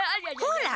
ほら。